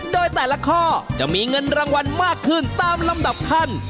โดยแต่ละข้อจะมีเงินรางวัลมากขึ้นตามลำดับขั้น